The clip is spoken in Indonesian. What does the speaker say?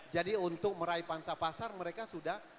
jadi untuk meraih pansa pasar mereka sudah